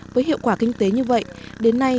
với hiệu quả kinh tế như vậy đến nay